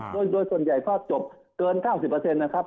โดยส่วนใหญ่ก็จบเกิน๙๐นะครับ